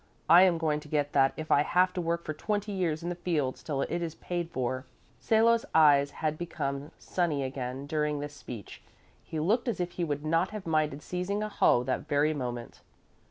I am going to get that if I have to work for twenty years in the fields till it is paid for." Salo's eyes had become sunny again during this speech. He looked as if he would not have minded seizing a hoe that very moment.